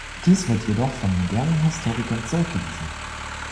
Dies wird jedoch von modernen Historikern zurückgewiesen.